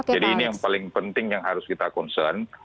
jadi ini yang paling penting yang harus kita concern